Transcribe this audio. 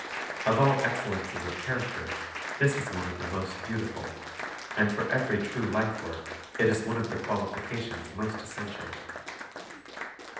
Of all excellences of character this is one of the most beautiful, and for every true life work it is one of the qualifications most essential.